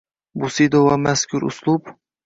Busido va mazkur uslub